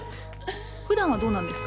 ふだんはどうなんですか。